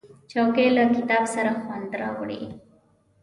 چوکۍ له کتاب سره خوند راوړي.